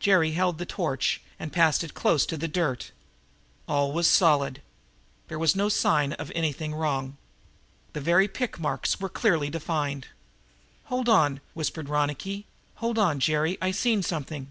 Jerry held the torch and passed it close to the dirt. All was solid. There was no sign of anything wrong. The very pick marks were clearly defined. "Hold on," whispered Ronicky Doone. "Hold on, Jerry. I seen something."